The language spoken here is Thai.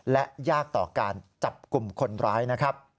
และยากต่อการจับกลุ่มคนร้ายนะครับ